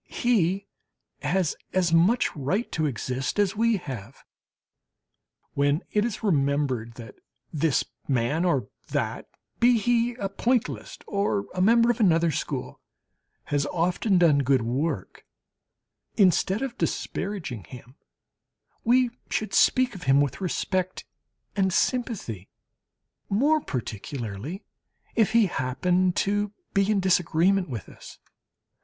He has as much right to exist as we have. When it is remembered that this man or that be he a pointilliste or a member of another school has often done good work, instead of disparaging him, we should speak of him with respect and sympathy, more particularly if he happen to be in disagreement with us.